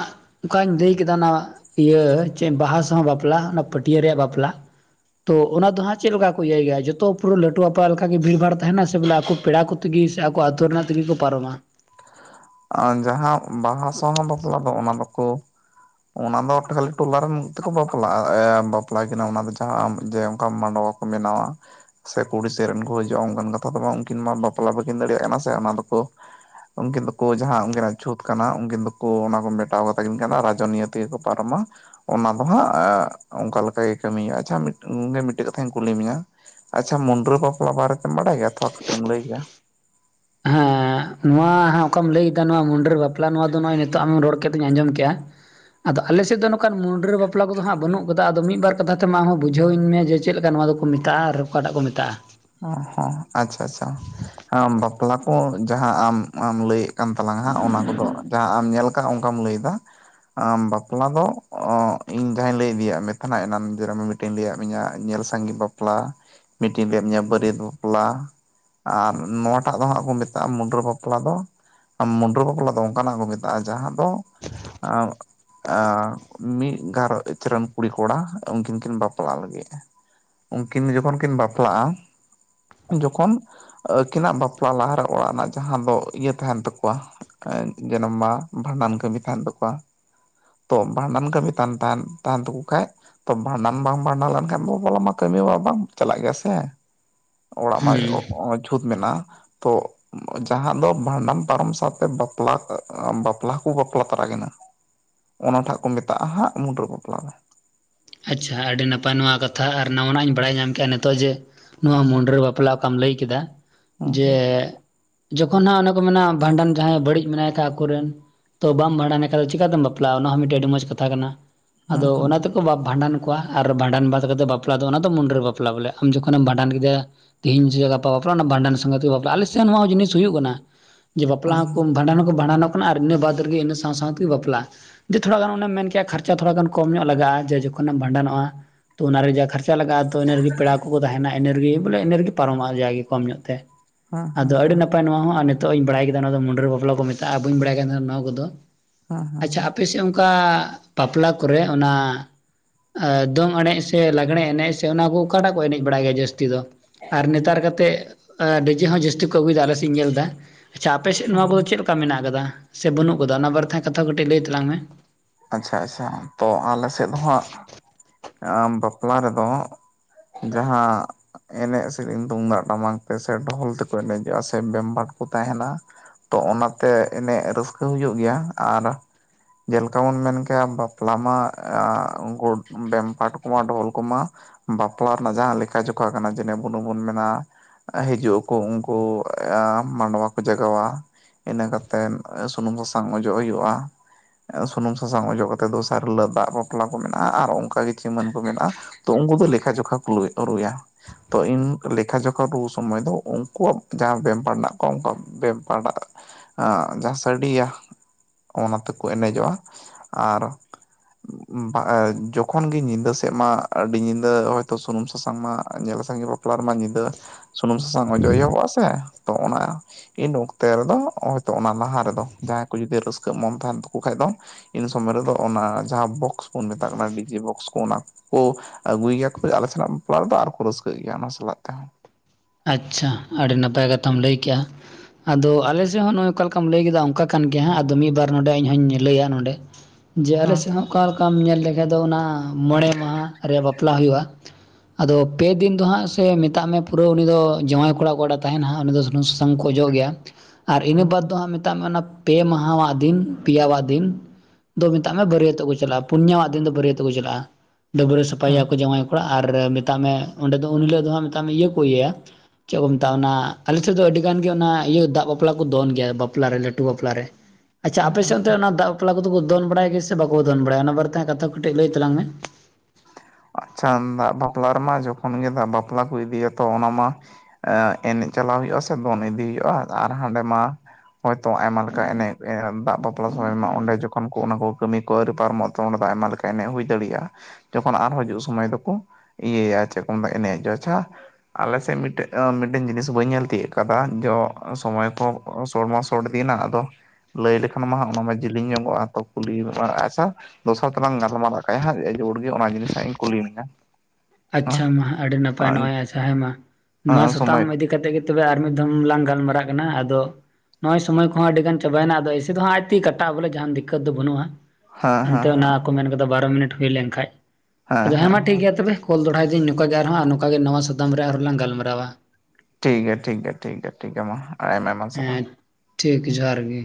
ᱚᱱᱠᱟᱧ ᱞᱟᱹᱭ ᱠᱮᱫᱟ ᱚᱱᱟ ᱤᱭᱟᱹ ᱪᱮᱫ ᱵᱟᱦᱟ ᱥᱟᱶ ᱵᱟᱯᱞᱟ ᱚᱱᱟ ᱯᱟᱹᱴᱭᱟᱹ ᱨᱮᱭᱟᱜ ᱵᱟᱯᱞᱟᱼᱼ ᱛᱚ ᱚᱱᱟ ᱫᱚ ᱦᱟᱸᱜ ᱪᱮᱫ ᱞᱮᱠᱟ ᱠᱚ ᱤᱭᱟᱹᱭ ᱜᱮᱭᱟ ᱡᱚᱛᱚ ᱯᱩᱨᱟᱹ ᱞᱟᱹᱴᱩᱣᱟᱜᱼᱼ ᱯᱟ ᱞᱮᱠᱟᱜᱤ ᱵᱷᱤᱲᱵᱷᱟᱲ ᱛᱟᱦᱮᱱᱟ ᱥᱮ ᱵᱚᱞᱮ ᱟᱠᱚ ᱯᱮᱲᱟ ᱠᱚ ᱛᱮᱜᱤ ᱥᱮ ᱟᱠᱚ ᱟᱹᱛᱩ ᱨᱮᱱᱟᱜ ᱛᱮᱜᱤ ᱠᱚ ᱯᱟᱨᱚᱢᱟ? ᱟᱨ ᱡᱟᱦᱟᱸ ᱵᱟᱦᱟ ᱥᱟᱶᱦᱟ ᱵᱟᱯᱞᱟ ᱫᱚ ᱚᱱᱟ ᱫᱚᱠᱚᱼᱼ [unintelligible] ᱚᱱᱟ ᱫᱚ ᱠᱷᱟᱹᱞᱤ ᱴᱚᱞᱟ ᱨᱮᱱ ᱛᱮᱠᱚ ᱵᱟᱯᱞᱟᱜᱼᱟ ᱮᱸ ᱵᱟᱯᱞᱟ ᱠᱤᱱᱟ ᱚᱱᱟ ᱫᱚ ᱡᱟᱦᱟᱸ ᱟᱢ ᱡᱮ ᱚᱱᱠᱟᱢ ᱟᱱᱩᱵᱷᱼᱼ ᱠᱚ ᱢᱮᱱᱟᱣᱟᱜᱼᱟᱼᱼ ᱥᱮ ᱠᱩᱲᱤ ᱥᱮᱫ ᱨᱮᱱ ᱠᱚ ᱦᱤᱡᱩᱜᱼᱟ ᱚᱱᱠᱟᱱ ᱠᱟᱛᱷᱟ ᱫᱚ ᱵᱟᱝ ᱩᱱᱠᱤᱱ ᱢᱟ ᱵᱟᱯᱞᱟ ᱵᱟᱹᱠᱤᱱ ᱫᱟᱲᱮᱭᱟᱜ ᱠᱟᱱᱟ ᱥᱮ ᱚᱱᱟ ᱫᱚᱠᱚᱼᱼ ᱩᱱᱠᱤᱱ ᱫᱚᱼᱼ ᱠᱚ ᱡᱟᱦᱟᱸ ᱩᱱᱠᱤᱱᱟᱜ ᱪᱷᱩᱸᱛ ᱠᱟᱱᱟ ᱩᱱᱠᱤᱱ ᱫᱚᱠᱚ ᱚᱱᱟ ᱠᱚ ᱢᱮᱴᱟᱣ ᱠᱟᱛᱟ ᱠᱤᱱ ᱠᱟᱱᱟ ᱨᱟᱡᱚᱱᱤᱭᱟ. ᱛᱮᱜᱮ ᱠᱚ ᱯᱟᱨᱚᱢᱟ᱾ ᱚᱱᱟ ᱫᱚ ᱦᱟᱸᱜ ᱚᱱᱠᱟ ᱞᱮᱠᱟᱜᱮ ᱠᱟᱹᱢᱤ ᱦᱩᱭᱩᱜᱼᱟ ᱟᱪᱷᱟ ᱢᱤᱫ ᱢᱤᱫᱴᱮᱡ ᱠᱟᱛᱷᱟᱧ ᱠᱩᱞᱤ ᱢᱮᱭᱟ? ᱟᱪᱷᱟ ᱢᱩᱱᱰᱨᱟᱹ ᱵᱟᱯᱞᱟ ᱵᱟᱨᱮᱛᱮᱢ ᱵᱟᱲᱟᱭ ᱜᱮᱭᱟ ᱛᱷᱚ ᱠᱟᱹᱴᱤᱡ ᱮᱢ ᱞᱟᱹᱭ ᱜᱮᱭᱟ? ᱦᱮᱸ ᱱᱚᱣᱟ ᱚᱠᱟᱢ ᱞᱟᱹᱭᱫᱟ ᱱᱚᱣᱟ ᱢᱩᱱᱰᱟᱹᱨ ᱵᱟᱯᱞᱟ ᱱᱚᱣᱟ ᱫᱚ ᱱᱚᱜᱚᱭ ᱱᱤᱛᱚᱜ ᱟᱢᱮ ᱨᱚᱲ ᱠᱮᱫᱚᱧ ᱟᱸᱡᱚᱢ ᱠᱮᱜᱼᱟ, ᱟᱫᱚ ᱟᱞᱮ ᱥᱮᱫ ᱫᱚ ᱱᱚᱝᱠᱟᱱ ᱢᱩᱱᱰᱨᱟᱹ ᱵᱟᱯᱞᱟ ᱠᱚᱫᱚ ᱦᱟᱸᱜ ᱵᱟᱹᱱᱩᱜ ᱠᱟᱫᱟ, ᱟᱫᱚ ᱢᱤᱫ ᱵᱟᱨ ᱠᱟᱛᱷᱟ ᱛᱮ ᱢᱟ ᱵᱩᱡᱷᱟᱹᱣᱤᱧ ᱢᱮ ᱡᱮ ᱪᱮᱫ ᱞᱮᱠᱟ ᱱᱚᱣᱟ ᱫᱚᱼᱼ ᱠᱚ ᱢᱮᱛᱟᱜᱼᱟ, ᱟᱨ ᱚᱠᱟᱴᱟᱜ ᱠᱚ ᱢᱮᱛᱟᱜᱼᱟ? ᱚ ᱦᱮᱸ ᱟᱪᱪᱷᱟ ᱟᱪᱪᱷᱟ᱾ ᱟᱢ ᱵᱟᱯᱞᱟ ᱠᱚ ᱡᱟᱦᱟᱸ ᱟᱢ ᱞᱟᱹᱭᱮᱫ ᱠᱟᱱ ᱛᱟᱞᱟᱝᱟ ᱦᱟᱸᱜ ᱚᱱᱟ ᱠᱚᱫᱚ ᱡᱟᱦᱟᱸ ᱟᱢ ᱧᱮᱞᱼᱼ ᱠᱟᱜᱼᱟ ᱚᱝᱠᱟᱢ ᱞᱟᱹᱭᱮᱫᱟ, ᱟᱸ ᱵᱟᱯᱞᱟ ᱫᱚ, ᱚ ᱤᱧ ᱡᱟᱦᱟᱸᱧ ᱞᱟᱹᱭ ᱤᱫᱤᱭᱤᱭᱟ ᱢᱮᱛ ᱮᱱᱟ [unintelligible] ᱢᱤᱫᱴᱤᱱ ᱞᱟᱹᱭᱟ ᱢᱮᱭᱟ ᱧᱮᱞ ᱥᱟᱸᱜᱮ ᱵᱟᱯᱞᱟ, ᱢᱤᱫᱴᱤᱱ ᱞᱟᱹᱭᱟᱭᱟᱜ ᱢᱮᱭᱟ ᱵᱟᱹᱨᱭᱟᱹᱛ ᱵᱟᱯᱞᱟ, ᱟᱨ ᱱᱚᱣᱟᱴᱟᱜ ᱫᱚ ᱦᱟᱸᱜ ᱠᱚ ᱢᱮᱛᱟᱜᱼᱟ ᱢᱩᱰᱨᱟᱹ ᱵᱟᱯᱞᱟ ᱫᱚ, ᱢᱩᱱᱰᱨᱟᱹ ᱵᱟᱯᱞᱟ ᱫᱚ ᱚᱱᱠᱟᱱᱟᱜ ᱠᱚ ᱢᱮᱛᱟᱜᱼᱟ ᱡᱟᱦᱟᱸ ᱫᱚ ᱟᱸᱜ, ᱟᱸ ᱢᱤᱫ ᱜᱷᱟᱸᱨᱚᱪ ᱨᱮᱱ ᱠᱩᱲᱤ ᱠᱚᱲᱟ ᱩᱱᱠᱤᱱ ᱠᱤᱱ ᱵᱟᱯᱞᱟᱜ ᱞᱟᱹᱜᱤᱫ᱾ ᱩᱱᱠᱤᱱ ᱡᱚᱠᱷᱚᱱ ᱠᱤᱱ ᱵᱟᱯᱞᱟᱜ-ᱟ, ᱡᱚᱠᱷᱚᱱ ᱟᱹᱠᱤᱱᱟᱜ ᱵᱟᱯᱞᱟ ᱞᱟᱦᱟ ᱨᱮ ᱚᱲᱟᱜ ᱨᱮᱱᱟᱜ ᱡᱟᱦᱟᱸ ᱫᱚ ᱤᱭᱟᱹ ᱛᱟᱸᱦᱮᱱ ᱛᱟᱠᱚᱣᱟ, ᱮᱸ ᱡᱮᱱᱚᱢ ᱢᱟ ᱵᱷᱟᱸᱰᱟᱱ ᱠᱟᱹᱢᱤ ᱛᱟᱸᱦᱮᱱ ᱛᱟᱠᱚᱣᱟ, ᱛᱚ ᱵᱷᱟᱸᱰᱟᱱ ᱠᱟᱹᱢᱤ ᱛᱟᱦᱮ ᱛᱟᱸᱦᱮᱱ ᱛᱟᱸᱦᱮᱱ ᱛᱟᱠᱚ ᱠᱷᱟᱡ ᱛᱚ ᱵᱷᱟᱸᱰᱟᱱ ᱵᱟᱝ ᱵᱷᱟᱸᱰᱱ ᱞᱮᱱᱠᱷᱟᱱ ᱵᱟᱯᱞᱟ ᱠᱟᱹᱢᱤ ᱢᱟ ᱵᱟᱝ ᱪᱟᱞᱟᱜ ᱜᱮᱭᱟ ᱥᱮ, ᱚᱲᱟᱜ ᱢᱟ ᱦᱩᱸ ᱪᱷᱩᱸᱛ ᱢᱮᱱᱟᱜ-ᱟ ᱛᱳ ᱡᱟᱦᱟᱸ ᱫᱚ ᱵᱷᱟᱸᱰᱟᱱ ᱯᱟᱨᱚᱢ ᱥᱟᱶᱛᱮ ᱵᱟᱯᱞᱟ ᱵᱟᱯᱞᱟᱠᱩ ᱵᱟᱯᱞᱟ ᱛᱟᱨᱟᱮᱱᱟ᱾ ᱚᱱᱟ ᱴᱷᱟᱜ ᱠᱚ ᱢᱮᱛᱟᱜ-ᱟ ᱦᱟᱸᱜ ᱢᱩᱰᱟᱹᱨ ᱵᱟᱯᱞᱟ ᱫᱚ᱾ ᱟᱪᱷᱟ ᱟᱹᱰᱤ ᱱᱟᱯᱟᱭ ᱱᱚᱣᱟ ᱠᱟᱛᱷᱟ, ᱟᱨ ᱱᱟᱣᱟᱱᱟᱜ ᱤᱧ ᱵᱟᱲᱟᱭ ᱧᱟᱢ ᱠᱮᱜ-ᱟ ᱱᱤᱛᱚᱜ ᱡᱮ ᱱᱚᱣᱟ ᱢᱩᱰᱨᱟᱹ ᱵᱟᱯᱞᱟ ᱚᱠᱟᱢ ᱞᱟᱹᱭ ᱠᱮᱫᱟ ᱡᱮ ᱡᱚᱠᱷᱚᱱ ᱱᱟᱸᱜ ᱚᱱᱮ ᱠᱚ ᱢᱮᱱᱟ ᱵᱷᱟᱸᱰᱟᱱ ᱡᱟᱦᱟᱸᱭ ᱵᱟᱹᱲᱤᱡ ᱢᱮᱱᱟᱭ ᱠᱟ ᱠᱚᱨᱤᱱ ᱛᱚ ᱵᱟᱢ ᱵᱷᱟᱸᱰᱟᱱᱮ ᱠᱷᱟᱱ ᱫᱚ ᱪᱤᱠᱟᱛᱮᱢ ᱵᱟᱯᱞᱟᱜ-ᱟ ᱚᱱᱟ ᱦᱚᱸ ᱢᱤᱫᱴᱮᱱ ᱟᱹᱰᱤ ᱢᱚᱸᱡᱽ ᱠᱟᱛᱷᱟ ᱠᱟᱱᱟ, ᱟᱫᱚ ᱫᱚ ᱚᱱᱟᱛᱮ ᱵᱷᱟᱸᱰᱟᱱ ᱠᱚᱣᱟ ᱟᱨ ᱵᱷᱟᱸᱰᱟᱱ ᱵᱟᱫ ᱠᱟᱛᱮᱫ ᱵᱟᱯᱞᱟ ᱫᱚ ᱚᱱᱟ ᱫᱚ ᱢᱩᱱᱰᱨᱟᱹ ᱵᱟᱯᱞᱟ ᱵᱚᱞᱮ, ᱟᱢ ᱡᱚᱠᱷᱚᱱᱮᱢ ᱵᱷᱟᱰᱟᱱ ᱠᱮᱫᱮᱭᱟ ᱛᱤᱦᱤᱧ ᱡᱮ ᱜᱟᱯᱟ ᱵᱟᱯᱞᱟ ᱚᱱᱟ ᱵᱷᱟᱸᱰᱟᱱ ᱥᱚᱸᱜᱮ ᱛᱮ ᱵᱟᱯᱞᱟ ᱟᱞᱮᱥᱮᱫ ᱱᱚᱣᱟ ᱡᱤᱱᱤᱥ ᱦᱩᱭᱩᱜ ᱠᱟᱱᱟ᱾ ᱡᱮ ᱵᱟᱯᱞᱟ ᱦᱚᱸ ᱠᱚ ᱵᱷᱟᱱᱰᱟᱱ ᱦᱚᱸ ᱠᱚ ᱵᱷᱟᱱᱰᱟᱱᱚᱜ ᱟᱨ ᱤᱱᱟᱹ ᱵᱟᱫᱽ ᱨᱮ ᱤᱱᱟᱹ ᱥᱟᱶ-ᱥᱟᱶ ᱛᱮᱜᱮ ᱵᱟᱯᱞᱟᱜ-ᱟ, ᱡᱮ ᱛᱷᱚᱲᱟ ᱜᱟᱱ ᱚᱱᱮ ᱢᱮᱱ ᱠᱮᱭᱟ ᱠᱷᱚᱨᱪᱟ ᱛᱷᱚᱲᱟ ᱜᱟᱱ ᱠᱚᱢ ᱧᱚᱜ ᱞᱟᱜᱟᱜ-ᱟ᱾ ᱡᱮ ᱡᱚᱠᱷᱚᱱᱮᱢ ᱵᱷᱟᱸᱰᱟᱱᱚᱜ-ᱟ ᱛᱚ ᱚᱱᱟᱨᱮ ᱡᱟ ᱠᱷᱚᱨᱪᱟ ᱞᱟᱜᱟᱜ-ᱟ, ᱛᱚ ᱤᱱᱟ ᱨᱮᱜᱮ ᱯᱮᱲᱟ ᱠᱚᱠᱚ ᱛᱟᱸᱦᱮᱱᱟ ᱤᱱᱟᱹ ᱨᱮᱜᱮ ᱵᱚᱞᱮ ᱤᱱᱟᱹ ᱨᱮᱜᱮ ᱯᱟᱨᱚᱢᱚᱜ-ᱟ ᱡᱟᱭ ᱜᱮ ᱠᱚᱢ ᱧᱚᱜ ᱛᱮ, ᱟᱫᱚ ᱟᱹᱰᱤ ᱱᱟᱯᱟᱭ ᱱᱚᱣᱟ ᱦᱚᱸ ᱟ ᱱᱤᱛᱚᱜ ᱤᱧ ᱵᱟᱲᱟᱭ ᱠᱮᱫᱟ ᱱᱚᱣᱟ ᱢᱩᱰᱟᱨᱟᱹ ᱵᱟᱯᱞᱟ ᱠᱚ ᱢᱮᱟᱜ-ᱟ ᱵᱟᱹᱧ ᱵᱟᱰᱟᱭ ᱠᱟᱱ ᱱᱚᱣᱟ ᱠᱚᱫᱚ, ᱟᱪᱷᱟ ᱟᱯᱮ ᱥᱮᱫ ᱦᱚᱸ ᱚᱠᱟ ᱵᱟᱯᱞᱟ ᱠᱚᱨᱮ ᱚᱱᱟ ᱟ ᱫᱚᱝ ᱮᱱᱮᱡ ᱥᱮ ᱞᱟᱜᱽᱲᱮ ᱮᱱᱮᱡ ᱥᱮ ᱚᱱᱟ ᱠᱚ ᱚᱠᱟᱴᱟᱜ ᱠᱚ ᱮᱱᱮᱡ ᱵᱟᱲᱟᱭ ᱜᱮᱭᱟ ᱡᱟᱹᱥᱛᱤ ᱫᱚ? ᱟᱨ ᱱᱮᱛᱟᱨ ᱠᱟᱛᱮᱫ ᱰᱤᱡᱮ ᱦᱚᱸ ᱡᱟᱹᱥᱛᱤ ᱠᱚ ᱟᱹᱜᱩᱭᱮᱫᱟ, ᱟᱞᱮᱥᱮᱫ ᱤᱧ ᱧᱮᱞ ᱫᱟ᱾ ᱟᱪᱷᱟ ᱟᱯᱮ ᱥᱮᱫ ᱱᱚᱣᱟ ᱠᱚᱫᱚ ᱪᱮᱫ ᱞᱮᱠᱟ ᱢᱮᱱᱟᱜ ᱠᱟᱫᱟ? ᱥᱮ ᱵᱟᱹᱱᱩᱜ ᱠᱟᱫᱟ ᱚᱱᱟ ᱵᱟᱨᱮᱛᱮ ᱠᱟᱛᱷᱟ ᱠᱟᱹᱴᱤᱡ ᱞᱟᱹᱭ ᱛᱟᱞᱟᱝ ᱢᱮ᱾ ᱟᱪᱷᱟ ᱟᱪᱷᱟ ᱛᱚ ᱟᱞᱮ ᱥᱮᱫ ᱦᱚᱸ ᱵᱟᱯᱞᱟ ᱟᱸ ᱨᱮᱫᱚ ᱡᱟᱦᱟᱸ ᱮᱱᱮᱡ ᱥᱮᱨᱮᱧ ᱛᱩᱢᱫᱟᱜ ᱴᱟᱢᱟᱠ ᱛᱮ ᱥᱮ ᱰᱷᱚᱞ ᱛᱮᱠᱚ ᱮᱱᱮᱡᱚᱜ-ᱟ ᱥᱮ ᱵᱮᱢᱵᱟᱴ ᱠᱚ ᱛᱟᱸᱦᱮᱱᱟ, ᱛᱚ ᱚᱱᱟᱛᱮ ᱮᱱᱮᱡ ᱨᱟᱹᱥᱠᱟᱹ ᱦᱩᱭᱩᱜ ᱜᱮᱭᱟ, ᱟᱨ ᱛᱚᱵᱚᱱ ᱢᱮᱱ ᱠᱮᱭᱟ ᱵᱟᱯᱞᱟ ᱢᱟ ᱟᱜ ᱩᱱᱠᱩ ᱵᱮᱢᱵᱟᱴ ᱠᱚᱢᱟ ᱰᱷᱳᱞ ᱠᱚᱢᱟ ᱵᱟᱯᱞᱟ ᱨᱮᱱᱟᱜ ᱡᱟᱦᱟᱸ ᱞᱮᱠᱟ ᱡᱚᱠᱷᱟ ᱠᱟᱱᱟ ᱡᱮᱱᱮ ᱵᱩᱱᱩ ᱵᱚᱱ ᱢᱮᱱᱟ, ᱦᱤᱡᱩᱜ ᱟᱠᱩ ᱩᱱᱠᱩ ᱟᱸ ᱢᱟᱰᱣᱟ ᱠᱚ ᱡᱟᱜᱟᱣᱟ᱾ ᱤᱱᱟᱹ ᱠᱟᱛᱮᱱ ᱥᱩᱱᱩᱢ ᱥᱟᱥᱟᱝ ᱚᱡᱚᱜ ᱦᱩᱭᱩᱜ-ᱟ᱾ ᱥᱩᱱᱩᱢ ᱥᱟᱥᱟᱝ ᱚᱡᱚᱜ ᱠᱟᱛᱮᱫ ᱫᱚᱥᱟᱨ ᱦᱤᱞᱚᱜ ᱫᱟᱜ ᱵᱟᱯᱞᱟ ᱠᱚ ᱢᱮᱱᱟᱜ-ᱟ ᱟᱨ ᱚᱱᱠᱟᱜᱮ ᱪᱤᱢᱟᱹᱱ ᱠᱚ ᱢᱮᱱᱟᱜ-ᱟ᱾ ᱛᱚ ᱩᱱᱠᱩ ᱫᱚ ᱞᱮᱠᱷᱟ ᱡᱚᱠᱷᱟ ᱠᱚ ᱞᱩ ᱨᱩᱭᱟ᱾ ᱛᱚ ᱤᱧ ᱞᱮᱠᱷᱟ ᱡᱚᱠᱷᱟ ᱨᱩ ᱥᱚᱢᱚᱭ ᱫᱚ ᱩᱱᱠᱩᱣᱟᱜ ᱡᱟᱦᱟᱸ ᱵᱮᱢᱵᱟᱴ ᱢᱮᱱᱟᱜ ᱠᱚᱣᱟ ᱩᱱᱠᱟ ᱯᱮᱢᱯᱟᱲᱟᱜ ᱟᱻ ᱡᱟᱦᱟᱸ ᱥᱟᱰᱤᱭᱟ ᱚᱱᱟ ᱛᱮᱠᱚ ᱠᱚ ᱮᱱᱮᱡᱚᱜ-ᱟ᱾ ᱟᱨ [inaudible] ᱡᱚᱠᱷᱚᱱ ᱜᱮ ᱧᱤᱫᱟᱹ ᱥᱮᱫ ᱢᱟ ᱟᱹᱰᱤ ᱧᱤᱫᱟᱹ ᱦᱚᱭᱛᱚ ᱥᱩᱱᱩᱢ ᱥᱟᱥᱟᱝ ᱢᱟ ᱧᱮᱞ ᱥᱟᱜᱮ ᱵᱟᱠᱚ ᱵᱟᱯᱞᱟ ᱨᱮᱢᱟ ᱧᱤᱫᱟᱹ ᱥᱩᱱᱩᱢ ᱥᱟᱥᱟᱝ ᱚᱡᱚᱜ ᱮᱦᱚᱵᱚᱜ-ᱟ ᱥᱮ ᱛᱚ ᱚᱱᱟ ᱤᱱ ᱚᱠᱛᱮ ᱨᱮᱫᱚ ᱦᱚᱭᱛᱚ ᱚᱱᱟ ᱞᱟᱦᱟ ᱨᱮᱫᱚ ᱡᱟᱦᱟᱸᱭ ᱠᱚ ᱡᱩᱫᱤ ᱨᱟᱹᱥᱠᱟᱹᱜ ᱢᱚᱱ ᱛᱟᱦᱮᱱ ᱛᱟᱠᱚ ᱠᱷᱟᱡ ᱫᱚ ᱤᱱ ᱥᱚᱢᱚᱭ ᱨᱮᱫᱚ ᱚᱱᱟ ᱡᱟᱦᱟᱸ ᱵᱚᱠᱥ ᱵᱚᱱ ᱢᱮᱛᱟᱜ ᱠᱟᱱᱟ ᱰᱤᱡᱮ ᱵᱚᱠᱥ ᱠᱚ ᱚᱱᱟ ᱠᱚ ᱟᱹᱜᱩᱭ ᱜᱮᱭᱟ ᱠᱚ ᱟᱞᱮ ᱥᱮᱱᱟᱜ ᱯᱟᱯᱞᱟ ᱨᱮᱫᱚ ᱟᱨ ᱠᱚ ᱨᱟᱹᱥᱠᱟᱹᱭ ᱜᱮᱭᱟ ᱚᱱᱟ ᱥᱟᱞᱟᱜ ᱛᱮᱦᱚᱸ᱾ ᱟᱪᱪᱷᱟ ᱟᱹᱰᱤ ᱱᱟᱯᱟᱭ ᱠᱟᱛᱷᱟᱢ ᱞᱟᱹᱭ ᱠᱮᱫᱮᱜ-ᱟ᱾ ᱟᱫᱚ ᱟᱞᱮᱥᱮᱫ ᱦᱚᱸ ᱱᱚᱜ-ᱚᱭ ᱚᱠᱟ ᱞᱮᱠᱟᱢ ᱞᱟᱹᱭ ᱠᱮᱫᱟ ᱚᱱᱠᱟ ᱠᱟᱱ ᱜᱮᱭᱟ ᱦᱟᱸᱜ, ᱟᱫᱚ ᱢᱤᱫ ᱵᱟᱨ ᱱᱚᱰᱮ ᱤᱧ ᱦᱚᱧ ᱞᱟᱹᱭᱟ ᱱᱚᱰᱮ ᱡᱮ ᱟᱞᱮ ᱦᱮᱸ ᱥᱮᱫ ᱦᱚᱸ ᱚᱠᱟ ᱚᱱᱠᱟᱢ ᱧᱮᱞ ᱞᱮᱠᱷᱟᱡ ᱫᱚ ᱚᱱᱟ ᱢᱚᱬᱮ ᱢᱟᱦᱟ ᱨᱮ ᱵᱟᱯᱞᱟ ᱦᱩᱭᱩᱜ-ᱟ᱾ ᱟᱫᱚ ᱯᱮ ᱫᱤᱱ ᱫᱚ ᱦᱟᱸᱜ ᱥᱮ ᱢᱮᱛᱟᱜ ᱢᱮ ᱟᱫᱚ ᱩᱱᱤ ᱫᱚ ᱡᱟᱶᱟᱭ ᱠᱚᱲᱟ ᱚᱠᱚᱭᱴᱟᱜ ᱮ ᱛᱟᱦᱮᱱᱟ ᱦᱟᱜ ᱩᱱᱤ ᱫᱚ ᱥᱩᱱᱩᱢ ᱥᱟᱥᱟᱝ ᱠᱚ ᱚᱡᱚᱜ ᱜᱮᱭᱟ᱾ ᱟᱨ ᱤᱱᱟᱹ ᱦᱮᱸ ᱵᱟᱫᱽ ᱫᱚ ᱦᱟᱸᱜ ᱢᱮᱛᱟᱜ ᱢᱮ ᱚᱱᱟ ᱯᱮ ᱢᱟᱦᱟᱣᱟᱜ ᱫᱤᱱ ᱯᱮᱭᱟᱣᱟᱜ ᱫᱤᱱ ᱫᱚ ᱢᱮᱟᱜ ᱢᱮ ᱵᱟᱹᱨᱭᱟᱹᱛᱚᱜ ᱠᱚ ᱪᱟᱞᱟᱜ-ᱟ᱾ ᱯᱩᱱ ᱡᱟᱣᱟᱜ ᱫᱤᱱ ᱫᱚ ᱵᱟᱹᱨᱭᱟᱹᱛ ᱠᱚ ᱪᱟᱞᱟᱜ-ᱟ᱾ ᱵᱟᱵᱟᱨᱮ ᱥᱟᱯᱷᱟ ᱦᱮᱸ ᱮᱭᱟᱠᱚ ᱡᱟᱶᱟᱭ ᱠᱚᱲᱟ ᱟᱨ ᱢᱮᱛᱟᱜ ᱢᱮ ᱚᱸᱰᱮ ᱫᱚ ᱩᱱ ᱦᱤᱞᱳᱜ ᱫᱚ ᱦᱟᱜ ᱢᱮᱛᱟᱜ ᱢᱮ ᱤᱭᱟᱹ ᱠᱚ ᱤᱭᱟᱹᱭᱟ ᱪᱮᱫ ᱠᱚ ᱢᱮᱛᱟᱜ-ᱟ ᱚᱱᱟ ᱟᱞᱮ ᱴᱷᱮᱱ ᱫᱚ ᱟᱹᱰᱤ ᱜᱟᱱ ᱜᱮ ᱚᱱᱟ ᱤᱭᱟᱹ ᱫᱟᱜ ᱵᱟᱯᱞᱟ ᱠᱚ ᱫᱚᱱ ᱜᱮᱭᱟ ᱵᱟᱯᱞᱟ ᱨᱮ ᱞᱟᱹᱴᱩ ᱵᱟᱯᱞᱟ ᱩᱹ [unintelligible] ᱟᱪᱪᱷᱟ ᱦᱮᱸ ᱟᱯᱮ ᱦᱮᱸ ᱥᱮ ᱫᱚ ᱚᱱᱟ ᱫᱟᱜ ᱵᱟᱯᱞᱟ ᱠᱚᱫᱚ ᱠᱚ ᱫᱚᱱ ᱵᱟᱲᱟᱭᱟ ᱜᱮ ᱥᱮ ᱵᱟᱠᱚ ᱫᱚᱱ ᱵᱟᱲᱟᱭᱟ ᱚᱱᱟ ᱵᱟᱨᱮᱛᱮ ᱠᱟᱛᱷᱟ ᱠᱟᱹᱴᱤᱡ ᱞᱟᱹᱭ ᱛᱟᱞᱟᱝ ᱢᱮ ᱟᱪᱪᱷᱟ ᱫᱟᱜ ᱵᱟᱯᱞᱟ ᱨᱮᱢᱟ ᱡᱚᱠᱷᱚᱱ ᱜᱮ ᱫᱟᱜ ᱵᱟᱯᱞᱟ ᱠᱚ ᱤᱫᱤᱭᱟ ᱛᱚ ᱚᱱᱟ ᱢᱟ ᱮ ᱮᱱᱮᱡ ᱪᱟᱞᱟᱜ ᱦᱩᱭᱩᱜ-ᱟ ᱥᱮ ᱫᱚᱱ ᱤᱫᱤ ᱦᱩᱭᱩᱜ-ᱟ ᱟᱨ ᱦᱟᱸᱰᱮ ᱢᱟ ᱱᱚᱭ-ᱟᱭ ᱛᱚ ᱟᱭᱢᱟ ᱞᱮᱠᱟ ᱮᱱᱮᱡ ᱫᱟᱜ ᱵᱟᱯᱞᱟ ᱥᱚᱢᱚᱭ ᱢᱟ ᱚᱸᱰᱮ ᱡᱚᱠᱷᱚᱱ ᱠᱚ ᱚᱱᱟ ᱠᱚ ᱠᱟᱹᱢᱤ ᱠᱚ ᱟᱹᱭᱨᱤ ᱯᱟᱨᱚᱢᱚ ᱟᱜ ᱛᱚ ᱚᱸᱰᱮ ᱫᱚ ᱟᱭᱢᱟ ᱞᱮᱠᱟ ᱮᱱᱮᱡ ᱦᱩᱭ ᱫᱟᱲᱮᱭᱟᱜ-ᱟ᱾ ᱦᱮᱸ [unintelligible] ᱡᱚᱠᱷᱚᱱ ᱟᱨᱦᱚᱸ ᱦᱤᱡᱩᱜ ᱥᱚᱢᱚᱭ ᱫᱚᱠᱚ ᱤᱭᱟᱹᱭᱟ ᱪᱮᱫ ᱠᱚ ᱢᱮᱱᱟ ᱮᱱᱮᱡ-ᱟ ᱟᱪᱪᱷᱟ, ᱟᱞᱮ ᱥᱮᱫ ᱢᱤᱫᱴᱮᱱ ᱢᱤᱫᱴᱮᱱ ᱡᱤᱱᱤᱥ ᱵᱟᱹᱧ ᱧᱮᱞ ᱛᱤᱭᱳᱜ ᱠᱟᱫᱟ ᱡᱚ ᱥᱚᱢᱚᱭ ᱠᱚ [unintelligible] ᱫᱤᱱ ᱟᱫᱚ ᱞᱟᱹᱭ ᱞᱮᱠᱷᱟᱱ ᱢᱟ ᱦᱟᱜ ᱚᱱᱟᱢᱟ ᱡᱤᱞᱤᱧ ᱧᱚᱜᱚᱜ-ᱟ ᱛᱚ ᱠᱩᱞᱤ ᱟᱪᱪᱷᱟ ᱫᱚᱥᱟᱨ ᱛᱮᱞᱟᱝ ᱜᱟᱞᱢᱟᱨᱟᱭ ᱠᱷᱟᱱ ᱦᱟᱸᱜ [unintelligible] ᱜᱮ ᱚᱱᱟ ᱡᱤᱱᱤᱥ ᱦᱟᱸᱜ ᱤᱧ ᱠᱩᱞᱤ ᱢᱮᱭᱟ ᱟᱪᱪᱷᱟ ᱢᱟ ᱟᱹᱰᱤ ᱱᱟᱯᱟᱭ ᱦᱮᱸ ᱟᱪᱷᱟ ᱦᱮᱸ ᱢᱟ ᱱᱚᱣᱟ ᱦᱮᱸ ᱥᱟᱛᱟᱢ ᱥᱚᱢᱚᱭ ᱤᱫᱤ ᱠᱟᱛᱮᱜ ᱜᱮ ᱛᱚᱵᱮ ᱟᱨ ᱢᱤᱫ ᱫᱷᱟᱭ ᱞᱟᱝ ᱜᱟᱞᱢᱟᱨᱟᱜ ᱠᱟᱱᱟ ᱟᱫᱚ ᱱᱚᱹᱭ ᱥᱚᱢᱚᱭ ᱠᱚᱦᱚᱸ ᱟᱹᱰᱤ ᱜᱟᱱ ᱪᱟᱵᱟᱭᱮᱱᱟ ᱟᱫᱚ ᱮᱭᱥᱮ ᱫᱚᱦᱚᱸ ᱟᱡ ᱛᱮᱜᱮ ᱠᱟᱴᱟᱜ-ᱟ ᱵᱚᱞᱮ ᱡᱟᱦᱟᱱ ᱫᱤᱠᱠᱚᱛ ᱫᱚ ᱵᱟᱹᱱᱩᱜ-ᱟ᱾ ᱦᱮᱸ ᱦᱮᱸ ᱮᱱᱛᱮ ᱚᱱᱟ ᱠᱚ ᱢᱮᱱ ᱠᱟᱫᱟ ᱵᱟᱨᱚ ᱢᱤᱱᱤᱴ ᱦᱩᱭ ᱞᱮᱱᱠᱷᱟᱡ ᱟᱫᱚ ᱦᱮᱸ ᱢᱟ ᱴᱷᱤᱠᱜᱮᱭᱟ ᱛᱚᱵᱮ ᱠᱚᱞ ᱫᱚᱲᱦᱟᱭᱫᱤᱧ ᱱᱚᱝᱠᱟ ᱜᱮ ᱟᱨᱦᱚᱸ ᱱᱚᱝᱠᱟ ᱜᱮ ᱱᱟᱣᱟ ᱥᱟᱛᱟᱢ ᱨᱮ ᱟᱨᱦᱚᱸ ᱞᱟᱝ ᱜᱟᱞᱢᱟᱨᱟᱣᱟ ᱴᱷᱤᱠ ᱜᱮᱭᱟ ᱴᱷᱤᱠ ᱜᱮᱭᱟ ᱴᱷᱤᱠ ᱜᱮ ᱢᱟ ᱟᱭᱢᱟ ᱟᱭᱢᱟ ᱥᱟᱨᱦᱟᱣ ᱦᱮᱸ ᱴᱷᱤᱠ ᱦᱩᱸ ᱦᱩᱸ ᱡᱚᱦᱟᱨ ᱜᱮ